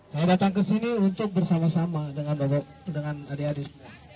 saya datang ke sini untuk bersama sama dengan adik adik